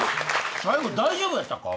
最後大丈夫やったか？